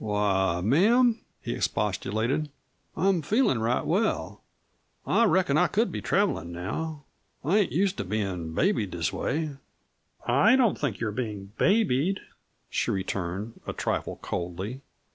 "Why, ma'am," he expostulated, "I'm feelin' right well. I reckon I could be travelin' now. I ain't used to bein' babied this way." "I don't think you are being 'babied,'" she returned a trifle coldly.